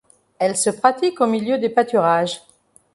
Elle se pratique au milieu des pâturages.